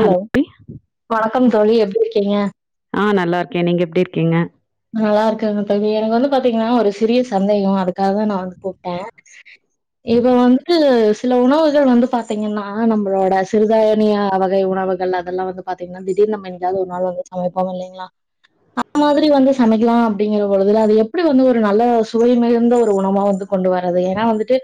Hello [unintelligible] வணக்கம் தோழி எப்டிருக்கீங்க ஆ நல்லாருக்கே நீங்க எப்டிருக்கீங்க நல்லாருக்கங்க தோழி எனக்கு வந்து பாத்தீங்கனா ஒரு சிறிய சந்தேக அதுக்காகதா நா வந்து கூப்ட்டே இப்ப வந்து சில உணவுகள் வந்து பாத்தீங்கன்னா நம்ளோட சிறுதானிய வ கை உணவுகள் அதெல்லா வந்து பாத்தீங்கன்னா திடீர் நம்ம என்னைக்காவது ஒரு நாள் வந்து சமைப்போ இல்லைங்ளா அந்த மாதிரி வந்து சமைக்கலா அப்டிங்கற பொழுது அது எப்டி வந்து ஒரு நல்ல சுவை மிகுந்த ஒரு உணவா வந்து கொண்டு வரது ஏனா வந்துட்டு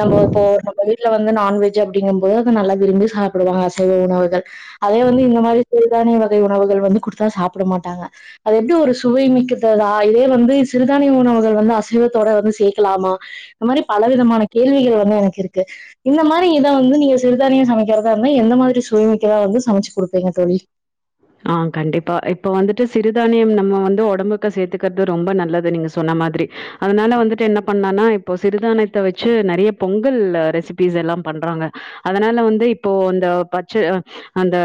நம்ம இப்போ நம்ம வீட்ல வந்து நான்வெஜ் அப்டிங்கம்போது அத நல்லா விரும்பி சாப்டுவாங்க அசைவ உணவு கள் அதே வந்து இந்த மாரி சிறுதானிய வகை உணவுகள் வந்து குடுத்தா சாப்ட மாட்டாங்க அது எப்டி ஒரு சுவை மிக்கததா இதே வந்து சிறுதானிய உணவுகள் வந்து அசைவத்தோட வந்து சேக்கலாமா இந்த மாரி பல விதமான கேள்விகள் வந்து எனக்கு இருக்கு இந்த மாரி இத வந்து நீங்க சிறுதானிய சமைக்றதாருந்த எந்த மாதிரி சுவைமிக்க க்கதா வந்து சமைச்சு குடுப்பீங்க தோழி ஆ கண்டிப்பா இப்ப வந்துட்டு சிறுதானியம் நம்ம வந்து ஒடம்புக்கு சேத்துக்கறது ரொம்ப நல்லது நீங்க சொன்ன மாதிரி அதனால வந்துட்டு என்ன பண்ணனா இப்போ சிறுதானயத்த வச்சு நறைய பொங்கல் ரெசிபிஸ் எல்லா பண்றாங்க அதனால வந்து இப்போ இந்த பச்ச அந்த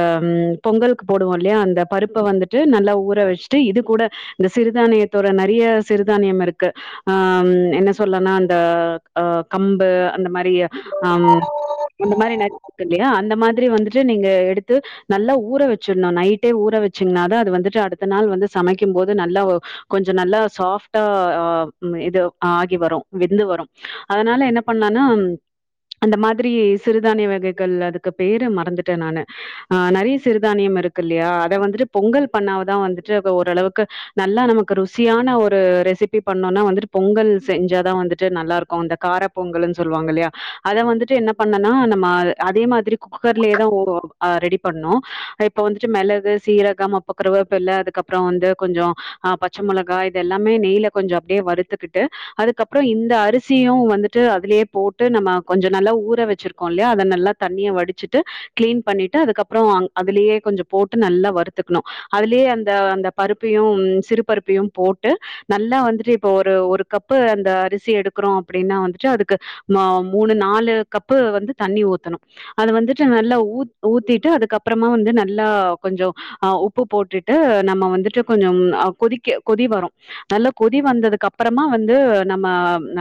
பொங்கல் போடுவோல்லயா அந்த பருப்ப வந்துட்டு நல்லா ஊற வச்சுட்டு இது கூட இந்த சிறுதானியத்தோட நறைய சிறுதானியம் இருக்கு ஆ என்ன சொல்லனா அந்த ஆ கம்பு அந்த மாரி ஆ ம் அந்த மாரி நெறைய இருக்கு இல்லையா அந்த மாரி வந்துட்டு நீங்க எடுத்து நல்லா ஊற வச் ச்சிணு நைட்டே ஊற வச்சங்னா தா அது வந்துட்டு அடுத்த நாள் வந்து சமைக்கும்போது நல்லா கொஞ்சோ நல்லா சாஃப்டா ஆ ம் இது ஆகி வரு வெந்து வரு அதனால என்ன பண்லானா அந்த மாதிரி சிறுதானிய வகைகள் அதுக்கு பேரு மறந்துட்டே நானு ஆ நறைய சிறு சிறுதானியம் இருக்குல்லயா அத வந்துட்டு பொங்கல் பண்ணாதா வந்துட்டு ஓரளவுக்கு நல்லா நமக்கு ருசியான ஒரு ரெசிபி பண்ணோனா வந்துட்டு பொங்கல் செஞ்சாதா வந்துட்டு நல்லாருக்கு இந்த கார பொங்கலுனு சொல்லுவாங்க இல்லயா அத வந்துட்டு என்ன பண்ணனா நம்ம அதே மாதிரி குக்கர்லே தா ஆ ரெடி பண்ணோ இப்போ வந்துட்டு மிளகு சீரகம் அப்ப கருவேப்பில அதுக்கப்ற வந்து கொஞ்ச ஆ பச்ச மொலகா இத எல்லாமே நெய்ல கொஞ்ச அப்டியே வறுத்துக்கிட்டு அதுக்கப்ற இந்த அரிசியு வந்துட்டு அதுலே போட்டு நம்ம கொஞ்சோ நல்லா ஊற வச்சிருக்கோ இல்லயா அத நல்லா தண்ணிய வடிச்சிட்டு கிளீன் பண்ணிட்டு அதுக்கப்ற அதுலே கொஞ்சோ போட்டு நல்லா வருறுத்துக்குணு அதுலே அந்த அந்த பருப்பயு சிறு பருப்பயு போட்டு நல்லா வந்துட்டு இப்போ ஒரு ஒரு கப்பு அந்த அரிசி எடுக்குறோ அப்டினா வந்துட்டு அதுக்கு ம மூணு நாலு கப்பு வந்து தண்ணி ஊத்துணு அது வந்துட்டு நல்லா ஊ ஊத்திட்டு அதுக்கப் பறமா வந்து நல்லா கொஞ்சோ ஹ உப்பு போட்டுட்டு நம்ம வந்துட்டு கொஞ்சம் கொதிக்க கொதி வரு நல்லா கொதி வந்ததுக்கப்றமா வந்து நம்ம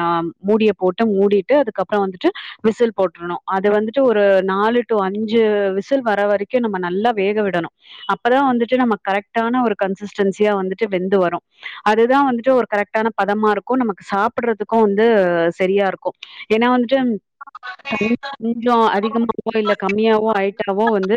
ஆ மூடிய போட்டு மூடிட்டு அதுக்கப்ற வந்துட்டு விசில் போட்ருணு அது வந்துட்டு ஒரு நாலு டு அஞ்சு விசில் வர வரைக் க்கு நம்ம நல்லா வேக விடணு அப்பதா வந்துட்டு நம்ம கரெக்டான ஒரு கண்சிஸ்டெண்சியா வந்துட்டு வெந்து வரு அதுதா வந்துட்டு ஒரு கரெக்டான பதமாருக்கு நமக்கு சாப்புட்றதுக்கு வந்து சரியாருக்கு ஏனா வ ட்டு [unintelligible] கொஞ்சோ அதிகமாவோ இல்ல கம்மியாவோ ஆயிட்டாவோ வந்து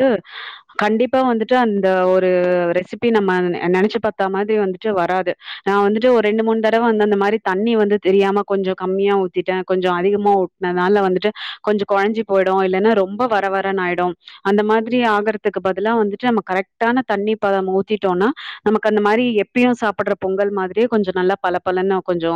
கண்டிப்பா வந்துட்டு அந்த ஒரு ரெசிபி நம்ம நெ நெனச்சு பாத்த மாதிரி வந்துட்டு வராது நா வந்துட்டு ஒரு ரெண்டு மூணு தரவ வந்து அந் தந்த மாரி தண்ணி வந்து தெரியாம கொஞ்சோ கம்மியா ஊத்திட்ட கொஞ்ச அதிகமா ஊத்ன தால வந்துட்டு கொஞ்ச கொழஞ்சி போயிடு இல்லனா ரொம்ப வரவரனாயிடு அந்த மா திரி ஆகுறதுக்கு பதிலா வந்துட்டு நம கரெக்டான தண்ணி பத ஊத்திட்டோனா நமக்கு அந்த மாரி எப்பியு சாப்பட்ற பொங்கல் மாதிரியே கொஞ்ச நல்லா பல பலன் கொஞ்சோ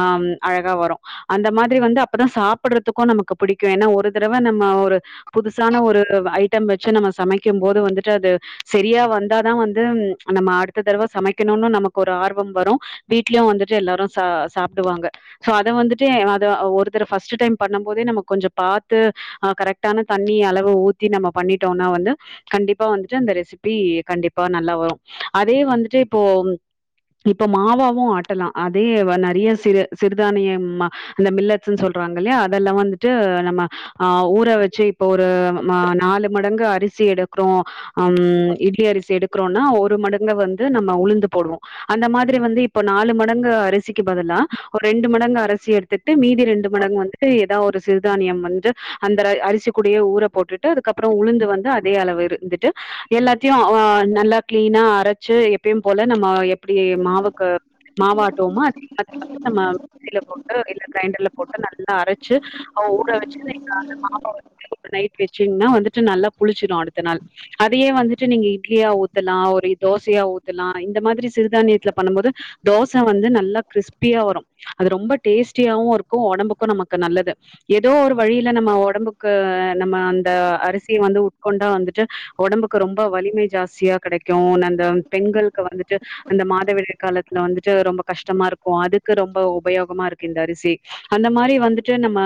ஆ அழகா வரு அந்த மாதிரி வந்து அப்பதா சாப்புட்றதுக்கும் நமக்கு பிடிக்கும் ஏனா ஒரு தரவ நம்ம ஒரு புதுசான ஒரு ஐட்டம் வ ச்சு சமைக்கும் போது வந்துட்டு அது சரியா வந்தாதான் வந்து நம்ம அடுத்த தடவை சமைக்கணும்னு நமக்கு ஒரு ஆர்வம் வரும் வீட்லயும் வந்துட்டு எல்லாரும் ச சாப்பிடுவாங்க சோ அதை வந்துட்டு அத ஒரு தடவைஸ்ட் டைம் பண்ணும் போதே நம்ம கொஞ்சம் பார்த்து ஹ் கரெக்டான தண்ணி அளவு ஊத்தி நம்ம பண்ணி டோனா வந்து கண்டிப்பா வந்துட்டு அந்த ரெசிபி கண்டிப்பா நல்லா வரும் அதே வந்துட்டு இப்போ இப்ப மாவாவும் ஆட்டலாம் அதே நிறைய சு சிறுதானியம் மில்லட் சொல்றாங்கல்ல அதெல்லாம் வந்துட்டு நம்ம ஊற வச்சு இப்ப ஒரு நு மடங்கு அரிசி எடுக்கிறோ ஹம் இட்லி அரிசி எடுக்கறோம்னா ஒரு மடங்கு வந்து நம்ம உளுந்து போடுவோம் அந்த மாதிரி வந்து இப்ப நாலு மடங்கு அரிசிக்கு பதிலா ஒரு ரெண்டு மடங்கு அரிசி எடுத்து டூ மீதி ரெண்டு மடங்கு வந்து ஏதாவது ஒரு சிறுதானியம் வந்து அந்த அரிசிக்குடடியே ஊரை போட்டுட்டு அதுக்கப்புற அப்பறோ உளுந்து வந்து அதே அளவு இருந்துட்டு எல்லாத்தையும் நல்லா கிளீனா அரைச்சு எப்பயும் போல நம்ம அப்டி மாவுக்கு மாவாட்டவோமா [unintelligible] கிரைண்டர்ல போட்டு நல்லா அரைச்சு அவ ஊட வச்சு மாவ வந்து நைட் வச்சிங்கன்னா வந்துட்டு ட்டு நல்லா புளிச்சிடும் அடுத்த நாள் அதையே வந்துட்டு நீங்க இட்லியா ஊத்தலாம் ஒரு தோசையா ஊத்தலாம் இந்த மாதிரி சிறுதானியத்துல பண்ணும் போது தோச வந்து நல்லா கிறிஸ்பியா வரும் அது ரொம்ப டேஸ்ட்டியும் இருக்கும் ஒடம்புக்கும் நமக்கு நல்லது ஏதோ ஒரு வழியில நம்ம ஒடம்புக்கு நம்ம அந்த அரி யை வந்து உட்கொண்டா வந்துட்டு உடம்புக்கு ரொம்ப வலிமை ஜாஸ்தியா கிடைக்கும் அந்த பெண்களுக்கு வந்துட்டு அந்த மாதவிடை காலத்துல வந்துட்டு ரொம்ப கஷ்டமா இருக்கும் அதுக்கு ரொம்ப உபயோகமா இருக்கும் இந்த அரிசி அந்த மாதிரி வந்துட்டு நம்ம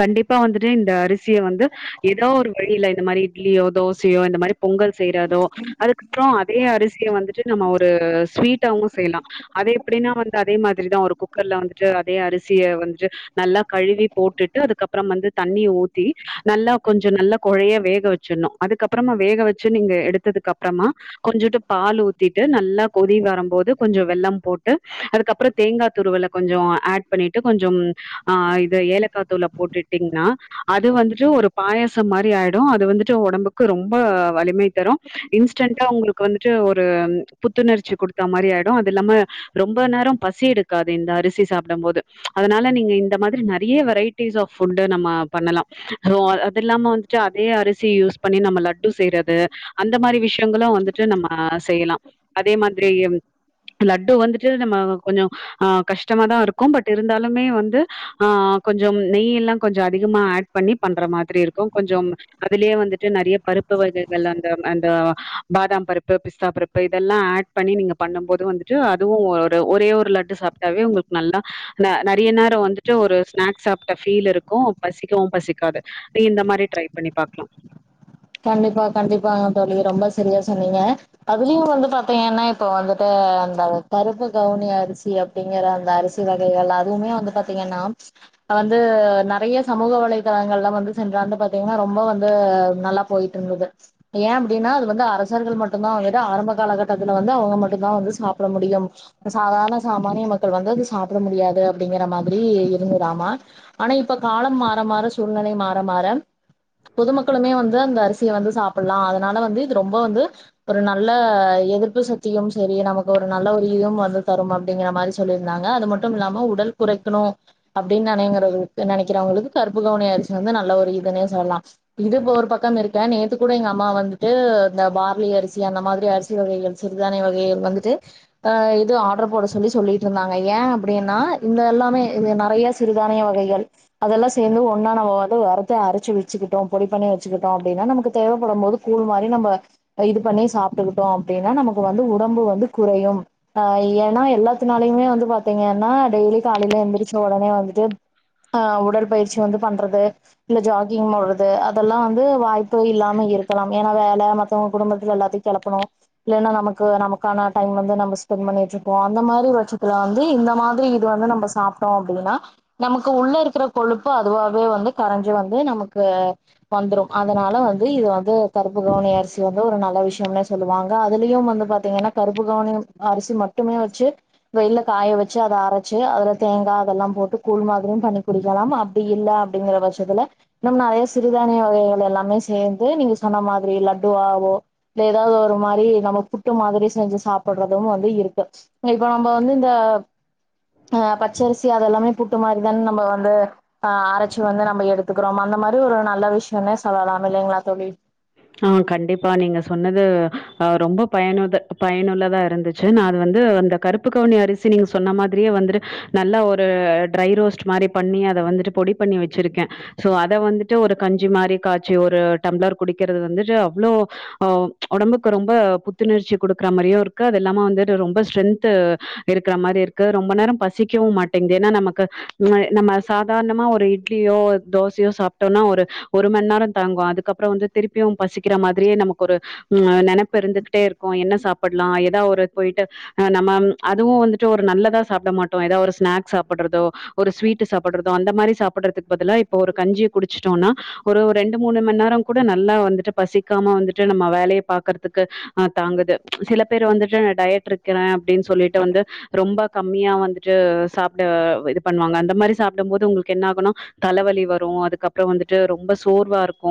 கண்டிப்பா வந்துட்டு இந்த அரிசி சிய வந்து ஏதோ ஒரு இந்த மாரி இட்லியோ தோசையோ இந்த மாரி பொங்கல் செய்யறதோ அதுக்கப்பறோ அதே அரிசிய வந்துட்டு நம்ம ஒரு ஸ்வீட்டாவும் செய்யலாம் அதே எப்படின்னா வந்து அதே மாரிதான் ஒரு குக்கர்ல வந்துட்டு அதே அரிசிய வந்துட்டு நல்லா கழுவி போட்டுட்டு அதுக்கப்புறம் வந்து தண்ணி ஊத்தி நல்லா கொஞ்சம் நல்லா குழைய வேக வச்சிடணும் அதுக்கப்புறமா வேக வச்சு நீங்க எடுத்ததுக்கு அப்புறமா கொஞ்சட்டு பால் ஊத்திட்டு நல்லா கொதி வரும் போது கொஞ்சம் வெள்ளம் போட்டு அதுக்கப்புறம் தேங்காய் துருவல கொஞ்சம் ஆட் பண்ணிட்டு கொஞ்சம் ஹ இது ஏலக்காய்த்தூளை போட்டுட்டீங்கன்னா அது வந்துட்டு ஒரு பாயசம் மாரி ஆயிடும் அது வந்துட்டு உடம்புக்கு ரொம்ப வலிமை தரும் இன்ஸ்டண்டடா உங்களுக்கு வந்து ஒரு புத்துணர்ச்சி குடுத்த மாதிரி ஆயிடும் அது இல்லாம ரொம்ப நேரம் பசி எடுக்காது இந்த அரிசி சாப்பிடும் போது அதனால நீங்க இந்த மாதிரி நிறைய வெரைட்டிஸ் ஆஃப் ஃபுட் நம்ம பண்ணலாம் ர அது இல்லாம வந் அதே அரிசி யூஸ் பண்ணி நம்ம லட்டு செய்யறது அந்த மாதிரி விஷயங்களும் வந்துட்டு நம்ம செய்யலாம் அதே மாதிரி லட்டு வந்துட்டு நம்ம கொஞ்சம் ஆஹ் கஷ்டமாதான் இருக்கும் பட் இருந்தாலுமே வந்து ஆஹ் கொஞ்சோ நெய எல்லாம் கொஞ்சோ அதிகமா ஆட் பண்ணி பண்ற மாதிரி இருக்கும். கொஞ்சம் அதுலயே வந்துட்டு நிறைய பருப்பு வகைகள் அந்த அந்த பாதாம் பருப்பு பிஸ்தா பருப்பு இதெல்லாம் ஆட் பண்ணி நீங்க பண்ணும்போது வந்துட்டு அதுவும் ஒரே ஒரு லட்டு சாப்பிட்டாவே உங்களுக்கு நல்லா நிறைய நேரம் வந்துட்டு ஒரு ஸ்நாக்ஸ் சாப்பிட்ட ஃபீல் இருக்கும் பசிக்கவும் பசிக்காது நீ இந்த மாதிரி ட்ரை பண்ணி பாக்கலாம். கண்டிப்பா கண்டிப்பா தோழி ரொம்ப செரியா சொன்னீங்க அதுலயும் வந்து பாத்தீங்கன்னா இப்ப வந்துட்டு அந்த கருப்பு கவுனி அரிசி அப்படிங்கற அந்த அரிசி வகைகள் அதுவுமே வந்து பாத்தீங்கன்னா வந்து நெறைய சமூக வலைதளங்கள் வந்து சென்ற ஆண்டு பாத்தீங்கன்னா ரொம்ப வந்து நலம் போயிட்டு இருந்தது ஏன் அப்படின்னா அது வந்து அரசர்கள் மட்டும்தா ஆரம்ப காலகட்டத்துல வந்து அவங்க மட்டும்தான் வந்து சாப்பிட முடியும் சாதாரண சாமானிய மக்கள் வந்து சாப்பிட முடியாது அப்படிங்கற மாதிரி இருந்துதாமா ஆனா இப்ப காலம் மாற மாற சூழ்நிலை மாற மாற பொதுமக்களுமே வந்து வந்து அந்த பேறந்த அரிசியை வந்து சாப்பிடலாம் அதனால வந்து இது ரொம்ப வந்து ஒரு நல்ல எதிர்ப்பு சக்தி ய சரி நமக்கு ஒரு நல்ல ஒரு இதுவும் வந்து தரும் அப்படிங்கிற மாதிரி சொல்லியிருந்தாங்க அது மட்டும் இல்லாம உடல் குறைக்கணும் அப்படின்னு நினைறவளுக்கு நினைக்கிறவங்களுக்கு கருப்புு கவணி அரிசி வந்து நல்ல ஒரு இதுனே சொல்லலாம் இது ஒரு நேத்து கூட எங்க அம்மா வந்துட்டு இந்த பார்லி அரிசி அந்த மாதிரி அரிசி வகைகள் சிறுதானிய வகைகள் வந்துட்டுஹ இது ஆர்டர் போட சொல்லி சொல்லிட்டு இருந்தாங்க ஏன் அப்படின்னா இங்க எல்லாமே நெறைய சிறுதானிய வகைகள் அதெல்லாம் சேர்ந்து ஒன்னான நான் அத அரைச்சு வச்சுக்கிட்டோம் பொடி பண்ணி வ அப்படின்னா நமக்கு தேவைப்படும் போது கூழு மாதிரி நமக்கு இது பண்ணி சாப்பிட்டு விட்டோம் அப்படின்னா நமக்கு வந்து உடம்பு குறையும் ஏன்னா எல்லாத்தையும் நாளையும் பாத்தீங்கன்னா டெய்லி காலைல எழுந்திருச்சுட்ட உடனே உடற்பயிற்சி பண்றது இல்ல ஜாக்கிங் போறது அதெல்லாம் இதே வாய்ப்பு இல்லாம இருக்கலாம் ஏன்னா வேல மட்டும் குடும்பத்துல எல்லாத்தையும் கிளப்பணும் ஏன்னா நமக்கு நமக்கான டைம் வந்து நம்ம பிரிண்ட் பண்ணிட்டு இருப்போம் பண்ணிட்டு இருப்போம் அந்த மாதிரி வெச்சிக்கலாம் வ இந்த மாதிரி இது வந்து நம்ம சாப்பிட்டோம் அப்படின்னா நமக்கு உள்ள இருக்கிற கொழுப்பு அதுவாவவே வந்து கரைஞ்சி வந்து நமக்கு வந்துடும் அதனால வந்து இது வந்து கருப்பு கவுனி அரிசி வந்து ஒரு நல்ல விஷயம்னே சொல்லுவாங்க அதுலயும் வந்து பாத்தீங்கன்னா கருப்பு கவனி அரிசி மட்டுமே வெச்சி வெயில காய வச்சு அதை அரைச்சு அதுல தேங்காய் அதெல்லாம் போட்டு கூழ் மாதிரியும் பண்ணி குடிக்கலாம் அப்படி இல்லை அப்படிங்கிற பட்சத்துல நம்ம நிறைய சிறுதானிய வக எல்லாம சேர்ந்து நீங்க சொன்ன மாதிரி லட்டுவாவோ ஏதாவது ஒரு மாதிரி நம்ம புட்டு மாதிரி செஞ்சு சாப்படுறதும் வந்து இருக்கு இப்ப நம்ம வந்து இந்த ஹ பச்சரிசி அதெல்லாமே புட்டு மாதிரி தான நம்ம வந்துஹ் அரைி வந்து நம்ம எடுத்துக்கிறோம் அந்த மாதிரி ஒரு நல்ல விஷயம் அலாரம் இல்லைங்களா தோழி ஆஹ கண்டிப்பா நீங்க சொன்னது அஹ ரொம்ப பயனுத பயனுள்ளதா இருந்துச்சு நான் அது வந்து அந்த கருப்பு கவுனி அரிசி நீங்க சொன்ன மாதிரியே வந்து நல்லா ஒரு ட்ரை ரோஸ்ட் மாதிரி பண்ணி அத வந்துட்டு பொடி பண்ணி வச்சிருக்கேன் சோ அத வந்துட்டு ஒரு கஞ்சி மாதிரி காய்ச்ச ஒரு டம்ளர் குடிக்கிறது வந்துட்டு அவ்வளோ அஹ் ஒடம்புக்கு ரொம்ப புத்துணர்ச்சி குடுக்குற மாதிரியும் இருக்கு அது இல்லாம வந்துட்டு ரொம்ப ஸ்ட்ரென்து இருக்கிற மாதிரி இருக்கு ரொம்ப நேரம் பசிக்கவும் மாட்டேங்கு நமக்கு நம்ம சாதாரணமா ஒரு இட்லியோ தோசையோ சாப்பிட்டோனா ஒரு மணி நேரம் தாங்கோம் அதுக்கப்புறம் வந்து திருப்பியும் பசிக்கிற மாதிரியே நமக்கு ஒரு நெப்பு இருந்துகிட்டே இருக்கும் என்ன சாப்பிடலாம் ஏதாவது ஒரு போயிட்டு நம்ம அதுவும் வந்துட்டு ஒரு நல்லதா சாப்பிட மாட்டோம் ஏதாவ ஒரு ஸ்நாக்ஸ் சாப்படுறதோ ஒரு ஸ்வீட சாப்பிடுறதோ அந்த மாதிரி சாப்பிடறதுக்கு பதிலா இப்ப ஒரு கஞ்சியை குடிச்சிட்டோம்னா ஒரு ரெண்டு மூணு மண் நேரம் கூட நல்லா வந்துட்டு பசிக்காம வந்துட்டு நம்ம வேலைய பாக்கறதுக்கு ஆ தாங்குது சில பேர் வந்துட்டு நா டயட் இருக்கிற அப்டின்னு சொல்லிட்டு வந்து ரொம்ப கம்மியா வந்துட்டு சாப்ட இது பண்ணுவாங்க அந்த மாரி சாப்டும் போது உங்களுக்கு என்ன ஆகுன்னா தலைவலி வரு அதுக்கப்பறோ வந்துட்டு ரொம்ப சோர்வா இருக்கு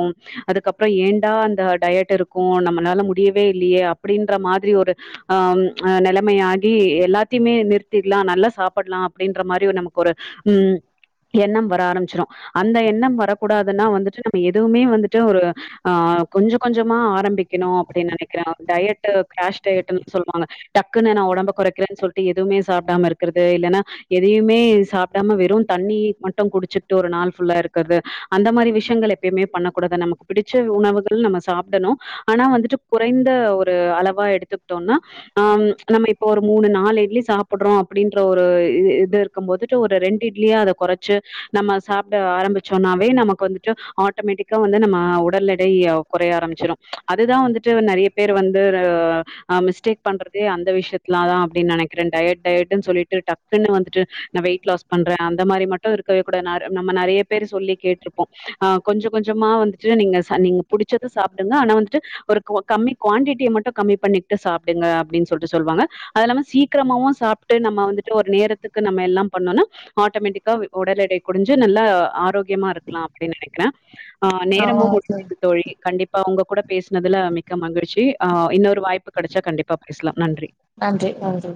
அதுக்கப்றோ ஏண்டா அந்த டயட் இருக்கோ நம்மனால முடியவே இல்லயே அப்டின்ற மாதிரி ஒரு அ நெலமையாகி எல்லாத்தையுமே நிறுத்திட்லா நல்லா சாப்பட்லா அப்டின்ற மாரி ஒரு நமக்கு ஒரு ம் எண்ணம் வர ஆரம்பிச்சிடும் அந்த எண்ணம் வரக்கூடாதுனா வந்துட்டு நம்ம எதுவுமே வந்து ட்டு ஒரு ஆ கொஞ்ச கொஞ்சமா ஆரம்பிக்கிணு அப்டின்னு நெனைக்கிற டயட்டு கிளாஸ் டயட்டு சொல்லுவாங்க டக்குன்னு நா ஒடம்ப கொறைக்கிறன்னு சொல்லிட்டு எதுமே சாப்டாம இருக்கறது இல்லன்னா எதையுமே சாப்டாம வெறு தண்ணி மட்டு குடிச்சுட்டு ஒரு நாள் ஃபுல்லா இருக்கறது அந்த மாரி விஷயங்கள் எப்பயுமே பண்ண கூடாது நமக்கு பிடிச்ச உணவுகள் நம்ம சாப்டணு ஆனா வந்துட்டு குறைந்த ஒரு அளவா எடுத்துக்கிட்டோனா ஆ நம்ம இப்ப ஒரு மூணு நாலு இட்லி சாப்புட்றோ அப்டின்ற ஒரு இது இருக்கும் போது ஒரு ரெண்டு இட்லியா அத கொறச்சு நம்ம சாப்பிட ஆரம்பிச்சோனாவே நமக்கு வந்துட்டு ஆட்டோமேட்டிக் அதுக்கா வந்து நம்ம உடல் எடை கொறைய ஆரம்பிச்சிரு அதுதா வந்துட்டு நறைய பேர் வந்து அ மிஸ்டேக் பண்றதே அந்த விஷயத்துலதா அப்டின்னு நெனைக்கிறே டயட் டயட்டு சொல்லிட்டு டக்குன்னு வந்துட்டு நா வெயிட் லாஸ் பண்றே அந்த மாரி மட்டு இருக்கவே கூடாது நா நம்ம நறைய பேர் சொல்லி கேட்ருப்போ ஆ கொஞ்சோ கொஞ்சமா வந்துட்டு நீங்க நீங்க புடிச்சது சாப்பிடுங்க ஆனா வந்துட்டு ஒரு கம்மி குவாண்டிட்டியை மட்டும் கம்மி பண்ணிட்டு சாப்பிடுங்க அப்படின்னு சொல்லிட்டு சொல்லுவாங்க அது இல்லாமல் சீக்கிரமாவும் சாப்பிட்டு நம்ம வந்துட்டு ஒரு நேரத்துக்கு நம்ம எல்லாம் பண்ணோனா ஆட்டோமேட்டிக்கா உடல் எடை குறைஞ்சு நல்லா ஆரோக்கியமா இருக்கலாம் அப்படின்னு நினைக்கிறேன் ஆ நேரமும் முடிஞ்சது தோழி கண்டிப்பா இப்ப உங்க கூட பேசினதுல மிக்க மகிழ்ச்சி ஆ இன்னொரு வாய்ப்பு கிடைச்சா கண்டிப்பா பேசலாம் நன்றி நன்றி நன்றி